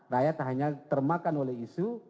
rakyat hanya termakan oleh isu